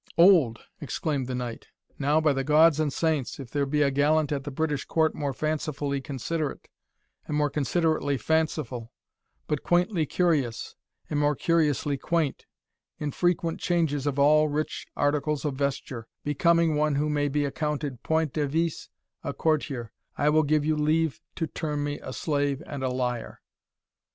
"Old!" exclaimed the knight; "now, by the gods and saints, if there be a gallant at the British Court more fancifully considerate, and more considerately fanciful, but quaintly curious, and more curiously quaint, in frequent changes of all rich articles of vesture, becoming one who may be accounted point de vice a courtier, I will give you leave to term me a slave and a liar."